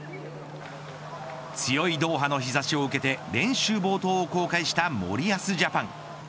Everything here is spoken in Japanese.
強いドーハの日差しを受けて練習冒頭を公開した森保ジャパン。